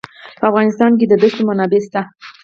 په افغانستان کې د دښتو منابع شته.